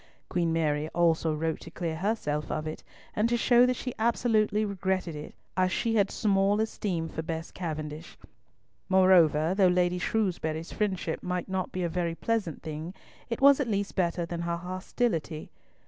Queen Mary also wrote to clear herself of it, and to show that she absolutely regretted it, as she had small esteem for Bess Cavendish. Moreover, though Lady Shrewsbury's friendship might not be a very pleasant thing, it was at least better than her hostility.